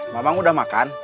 mamang udah makan